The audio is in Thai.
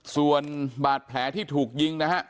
ส่วนบาดแผลที่ถูกยิงนะฮะ